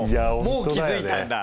もう気付いたんだ。